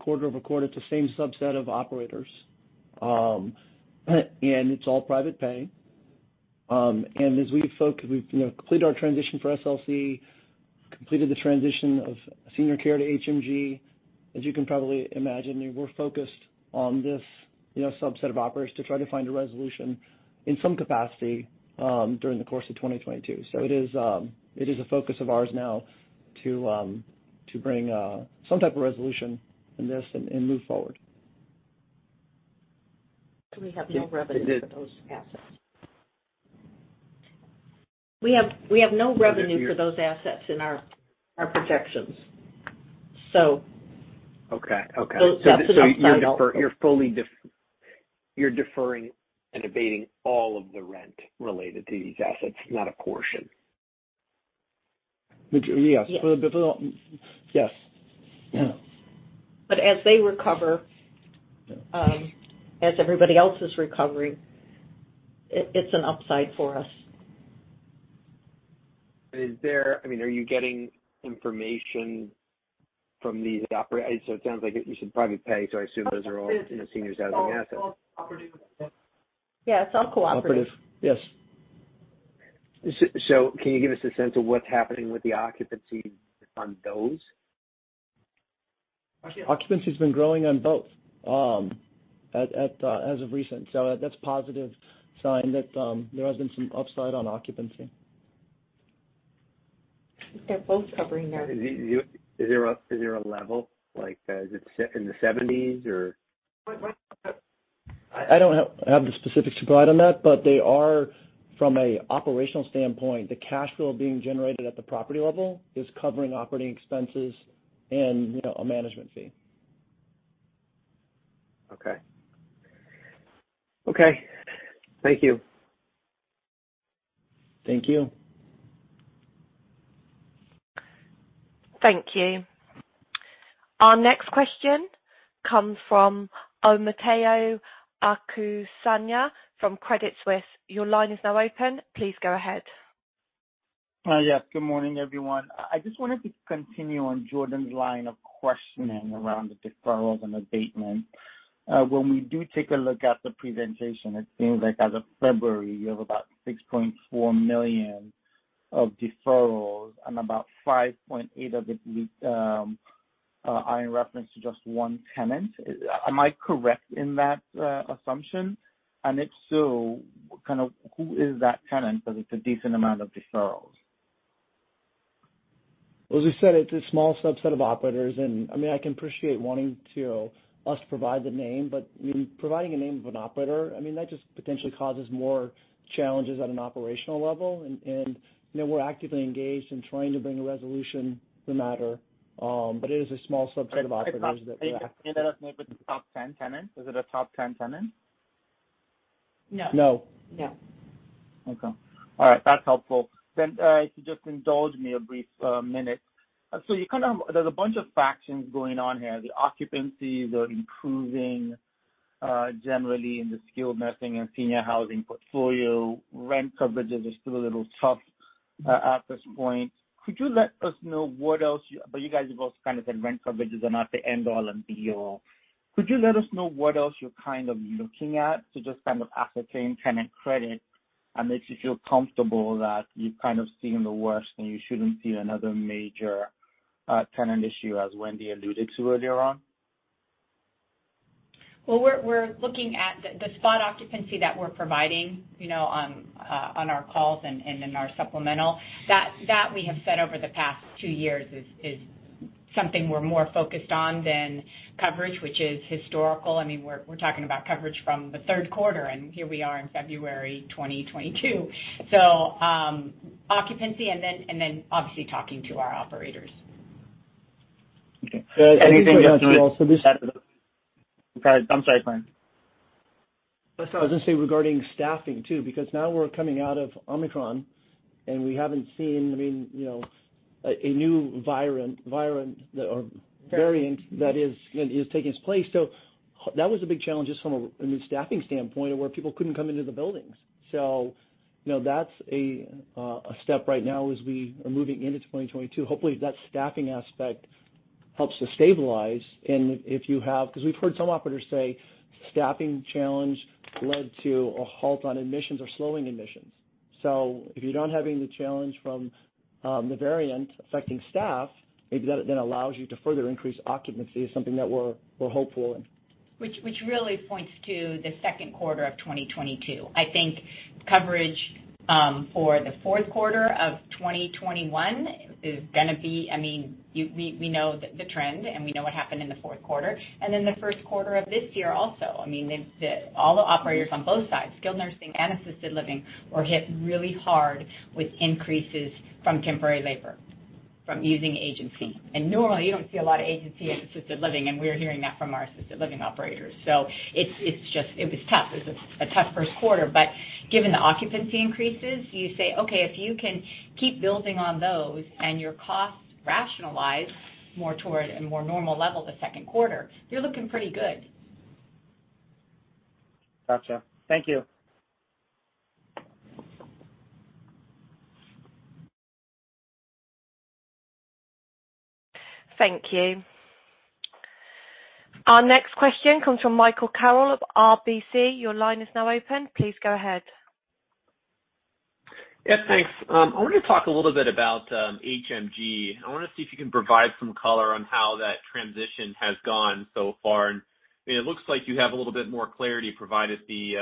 quarter-over-quarter, it's the same subset of operators. It's all private pay. As we've you know completed our transition for SLC, completed the transition of Senior Care to HMG. As you can probably imagine, I mean, we're focused on this, you know, subset of operators to try to find a resolution in some capacity, during the course of 2022. It is a focus of ours now to bring some type of resolution in this and move forward. We have no revenue for those assets in our projections, so. Okay. Okay. Yeah. Outside- You're deferring and abating all of the rent related to these assets, not a portion. Yes. Yes. Yes. Yeah. As they recover, as everybody else is recovering, it's an upside for us. Are you getting information from these operators? It sounds like it was some private pay, so I assume those are all, you know, seniors housing assets. Yeah, it's all cooperative. Cooperative. Yes. Can you give us a sense of what's happening with the occupancy on those? Occupancy has been growing on both as of recent. That's a positive sign that there has been some upside on occupancy. They're both covering their Are they at a level? Like, is it in the 70s% or? What's the- I don't have the specifics to provide on that, but they are, from an operational standpoint, the cash flow being generated at the property level is covering operating expenses and, you know, a management fee. Okay. Thank you. Thank you. Thank you. Our next question comes from Omotayo Okusanya from Credit Suisse. Your line is now open. Please go ahead. Yes. Good morning, everyone. I just wanted to continue on Jordan's line of questioning around the deferrals and abatements. When we do take a look at the presentation, it seems like as of February, you have about $6.4 million of deferrals and about $5.8 million of it are in reference to just one tenant. Am I correct in that assumption? If so, kind of who is that tenant, because it's a decent amount of deferrals? As we said, it's a small subset of operators, and I mean, I can appreciate wanting us to provide the name, but providing a name of an operator, I mean, that just potentially causes more challenges at an operational level. You know, we're actively engaged in trying to bring a resolution to the matter. It is a small subset of operators that we have. Is it a top 10 tenant? No. No. No. Okay. All right. That's helpful. If you just indulge me a brief minute. There's a bunch of factors going on here. The occupancies are improving generally in the skilled nursing and senior housing portfolio. Rent coverages are still a little tough at this point. But you guys have also kind of said rent coverages are not the end all and be all. Could you let us know what else you're kind of looking at to just kind of ascertain tenant credit and makes you feel comfortable that you've kind of seen the worst and you shouldn't see another major tenant issue as Wendy alluded to earlier on? Well, we're looking at the spot occupancy that we're providing, you know, on our calls and in our supplemental. That we have said over the past two years is something we're more focused on than coverage, which is historical. I mean, we're talking about coverage from the third quarter, and here we are in February 2022. Occupancy and then obviously talking to our operators. Okay. Anything- I'm sorry, go ahead. I was gonna say regarding staffing too, because now we're coming out of Omicron and we haven't seen, I mean, you know, a new variant that is taking its place. That was a big challenge just from a staffing standpoint of where people couldn't come into the buildings. You know, that's a step right now as we are moving into 2022. Hopefully, that staffing aspect helps to stabilize. If you have, because we've heard some operators say staffing challenge led to a halt on admissions or slowing admissions. If you don't have any of the challenge from the variant affecting staff, maybe that then allows you to further increase occupancy, is something that we're hopeful in. Which really points to the second quarter of 2022. I think coverage for the fourth quarter of 2021 is gonna be. I mean, we know the trend, and we know what happened in the fourth quarter. Then the first quarter of this year also, I mean, all the operators on both sides, skilled nursing and assisted living, were hit really hard with increases from temporary labor, from using agency. Normally, you don't see a lot of agency in assisted living, and we're hearing that from our assisted living operators. It's just, it was tough. It's a tough first quarter. Given the occupancy increases, you say, okay, if you can keep building on those and your costs rationalize more toward a more normal level this second quarter, you're looking pretty good. Gotcha. Thank you. Thank you. Our next question comes from Michael Carroll of RBC. Your line is now open. Please go ahead. Yeah, thanks. I wanted to talk a little bit about HMG. I wanna see if you can provide some color on how that transition has gone so far. It looks like you have a little bit more clarity provided the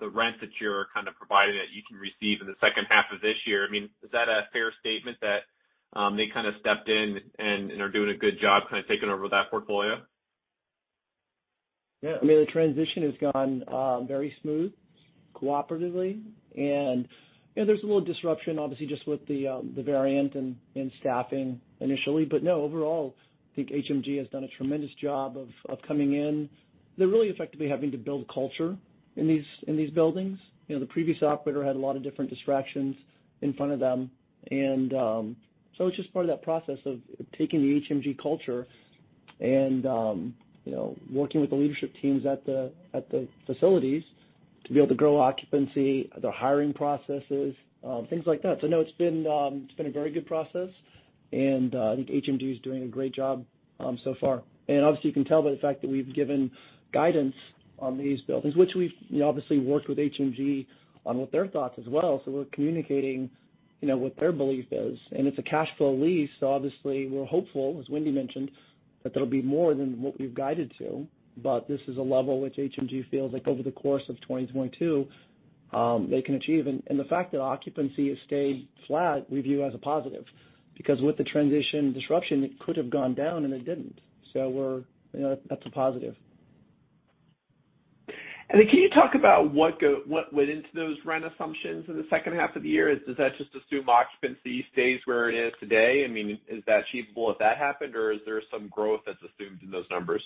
rent that you're kind of providing that you can receive in the second half of this year. I mean, is that a fair statement that they kinda stepped in and are doing a good job kinda taking over that portfolio? Yeah. I mean, the transition has gone very smooth cooperatively. You know, there's a little disruption, obviously, just with the variant and staffing initially. No, overall, I think HMG has done a tremendous job of coming in. They're really effectively having to build culture in these buildings. You know, the previous operator had a lot of different distractions in front of them. It's just part of that process of taking the HMG culture and working with the leadership teams at the facilities to be able to grow occupancy, the hiring processes, things like that. No, it's been a very good process, and I think HMG is doing a great job so far. Obviously, you can tell by the fact that we've given guidance on these buildings, which we've, you know, obviously worked with HMG on what their thoughts as well. We're communicating, you know, what their belief is. It's a cash flow lease, so obviously we're hopeful, as Wendy mentioned, that there'll be more than what we've guided to. This is a level which HMG feels like over the course of 2022, they can achieve. The fact that occupancy has stayed flat we view as a positive because with the transition disruption, it could have gone down and it didn't. We're, you know, that's a positive. Can you talk about what went into those rent assumptions in the second half of the year? Does that just assume occupancy stays where it is today? I mean, is that achievable if that happened, or is there some growth that's assumed in those numbers?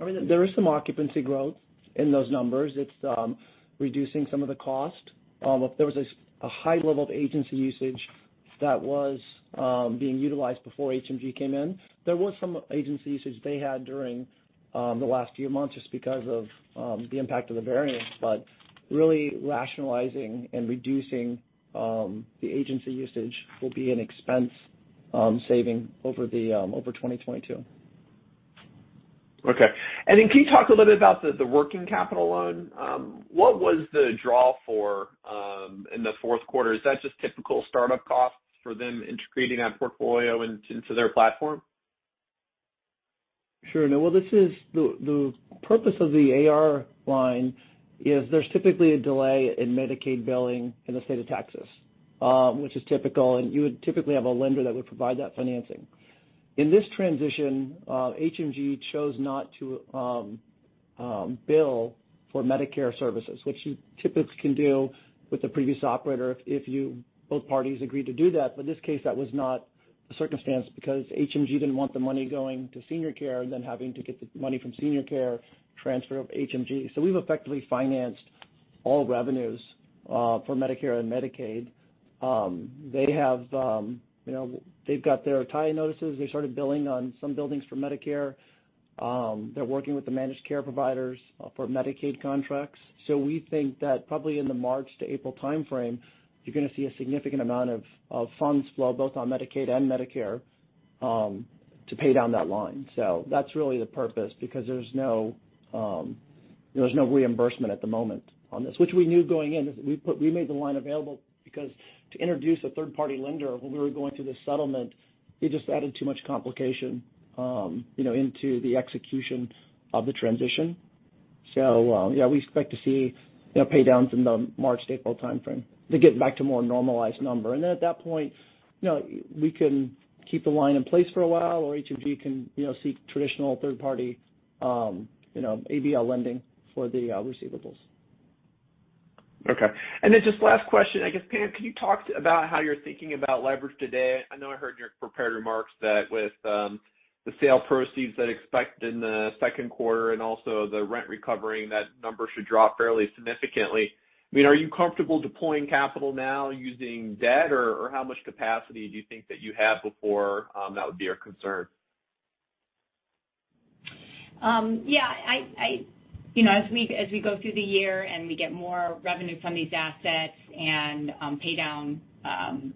I mean, there is some occupancy growth in those numbers. It's reducing some of the cost. There was a high level of agency usage that was being utilized before HMG came in. There was some agency usage they had during the last few months just because of the impact of the variant. But really rationalizing and reducing the agency usage will be an expense saving over 2022. Okay. Can you talk a little bit about the working capital loan? What was the draw for in the fourth quarter? Is that just typical startup costs for them integrating that portfolio into their platform? Sure. No, well, this is the purpose of the A/R line is there's typically a delay in Medicaid billing in the state of Texas, which is typical, and you would typically have a lender that would provide that financing. In this transition, HMG chose not to bill for Medicare services, which you typically can do with the previous operator if both parties agreed to do that. In this case, that was not the circumstance because HMG didn't want the money going to Senior Care and then having to get the money from Senior Care transfer to HMG. We've effectively financed all revenues for Medicare and Medicaid. They have, you know, they've got their tie-in notices. They started billing on some buildings for Medicare. They're working with the managed care providers for Medicaid contracts. We think that probably in the March to April timeframe, you're gonna see a significant amount of funds flow both on Medicaid and Medicare to pay down that line. That's really the purpose because there's no reimbursement at the moment on this, which we knew going in. We made the line available because to introduce a third party lender when we were going through this settlement, it just added too much complication, you know, into the execution of the transition. Yeah, we expect to see, you know, pay downs in the March to April timeframe to get back to more normalized number. At that point, you know, we can keep the line in place for a while or HMG can, you know, seek traditional third party, you know, ABL lending for the receivables. Okay. Just last question. I guess, Pam, can you talk about how you're thinking about leverage today? I know I heard in your prepared remarks that with the sale proceeds that we expect in the second quarter and also the rent recovering, that number should drop fairly significantly. I mean, are you comfortable deploying capital now using debt? Or how much capacity do you think that you have before that would be a concern? Yeah. I, you know, as we go through the year and we get more revenue from these assets and pay down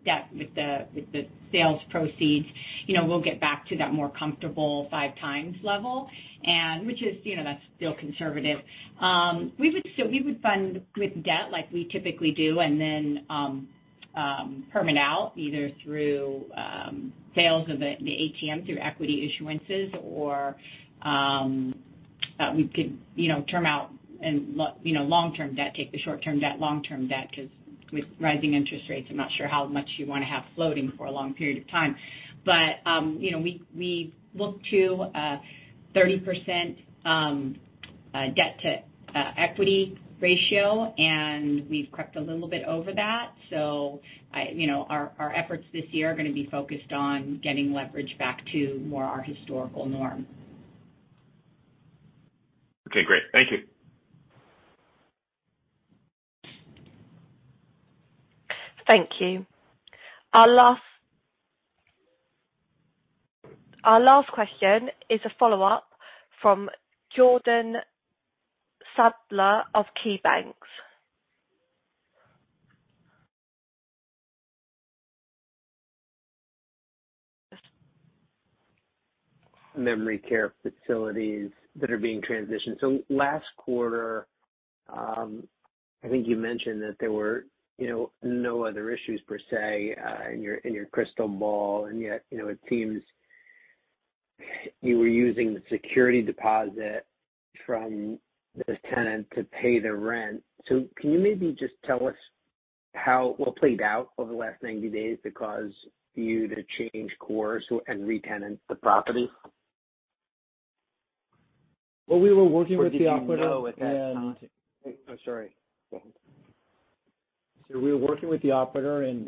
debt with the sales proceeds, you know, we'll get back to that more comfortable 5x level, which is, you know, that's still conservative. We would fund with debt like we typically do, and then term out either through sales of the ATM through equity issuances or we could, you know, term out and long-term debt, take the short-term debt long-term debt, 'cause with rising interest rates, I'm not sure how much you wanna have floating for a long period of time. You know, we look to 30% debt to equity ratio, and we've crept a little bit over that. You know, our efforts this year are gonna be focused on getting leverage back to more our historical norm. Okay, great. Thank you. Thank you. Our last question is a follow-up from Jordan Sadler of KeyBanc. Memory care facilities that are being transitioned. Last quarter, I think you mentioned that there were, you know, no other issues per se, in your crystal ball, and yet, you know, it seems you were using the security deposit from this tenant to pay the rent. Can you maybe just tell us how what played out over the last 90 days to cause you to change course and retenant the property? Well, we were working with the operator and. Did you know at that time? I'm sorry. We were working with the operator and,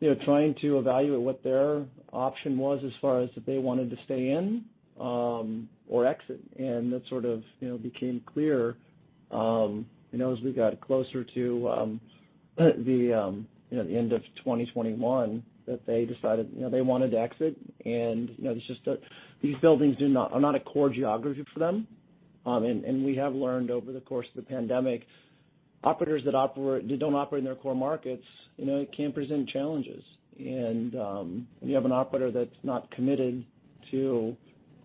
you know, trying to evaluate what their option was as far as if they wanted to stay in or exit. That sort of, you know, became clear, you know, as we got closer to the end of 2021 that they decided, you know, they wanted to exit. You know, it's just that these buildings are not a core geography for them. We have learned over the course of the pandemic, operators that don't operate in their core markets, you know, it can present challenges. When you have an operator that's not committed to,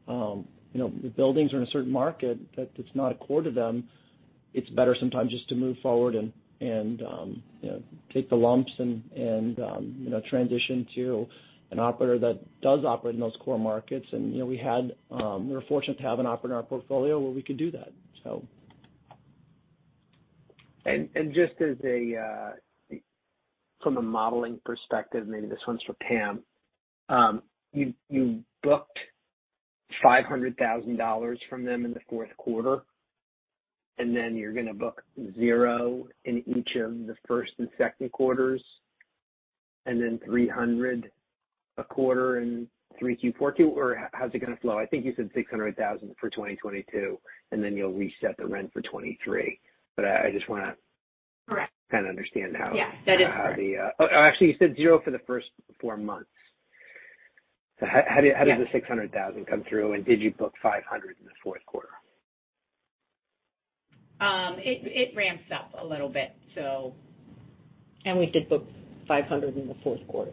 you know, the buildings are in a certain market that it's not a core to them, it's better sometimes just to move forward and, you know, take the lumps and, you know, transition to an operator that does operate in those core markets. You know, we were fortunate to have an operator in our portfolio where we could do that, so. Just from a modeling perspective, maybe this one's for Pam. You booked $500,000 from them in the fourth quarter, and then you're gonna book $0 in each of the first and second quarters, and then $300,000 a quarter in 3Q, 4Q? Or how's it gonna flow? I think you said $600,000 for 2022, and then you'll reset the rent for 2023. I just wanna- Correct. -kinda understand how- Yeah, that is correct. Oh, actually, you said $0 for the first four months. Yeah. How did the $600,000 come through, and did you book $500,000 in the fourth quarter? It ramps up a little bit. We did book $500 in the fourth quarter.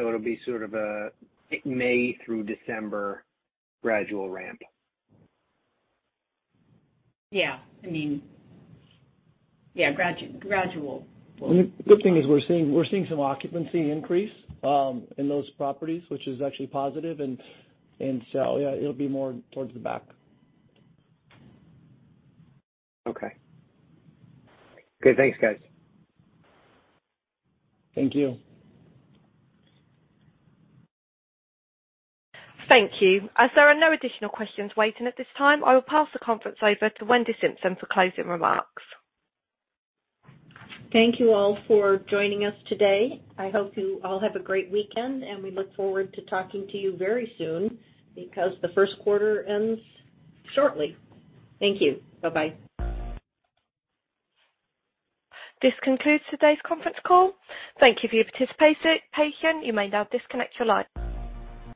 Yep. It'll be sort of a May through December gradual ramp. Yeah. I mean, yeah, gradual. The good thing is we're seeing some occupancy increase in those properties, which is actually positive. Yeah, it'll be more towards the back. Okay. Okay, thanks, guys. Thank you. Thank you. As there are no additional questions waiting at this time, I will pass the conference over to Wendy Simpson for closing remarks. Thank you all for joining us today. I hope you all have a great weekend, and we look forward to talking to you very soon because the first quarter ends shortly. Thank you. Bye-bye. This concludes today's conference call. Thank you for your participation. You may now disconnect your line.